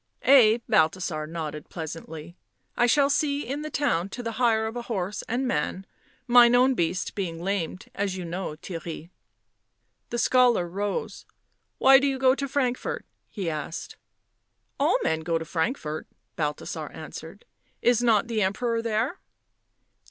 " Ay," Balthasar nodded pleasantly. " I shall see in the town to the hire of a horse and man — mine own beast being lamed, as you know, Theirry." The scholar rose. " Why do you go to Frankfort?" he asked. t( All men go to Frankfort," Balthasar answered. " Is not the Emperor there